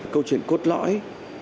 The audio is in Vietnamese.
câu chuyện cốt lõi